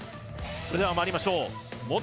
それではまいりましょう元